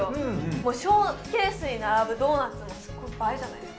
もうショーケースに並ぶドーナツもすっごい映えじゃないですか？